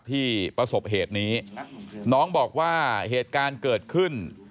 ประสบเหตุนี้น้องบอกว่าเหตุการณ์เกิดขึ้น